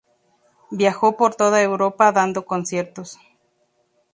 Viajó por toda Europa dando conciertos.